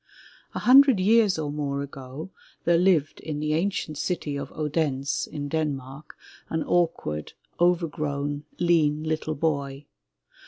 HUNDRED years or more ago there lived in the ancient city of Odense in Denmark, an awkward, overgrown, lean little boy.